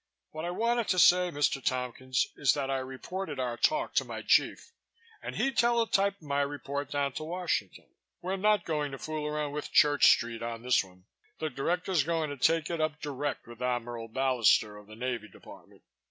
What I wanted to say, Mr. Tompkins, is that I reported our talk to my chief and he teletyped my report down to Washington. We're not going to fool around with Church Street on this one. The Director's going to take it up direct with Admiral Ballister at the Navy Department.